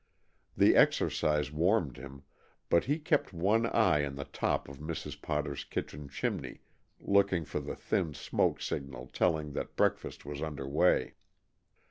The exercise warmed him, but he kept one eye on the top of Mrs. Potter's kitchen chimney, looking for the thin smoke signal telling that breakfast was under way.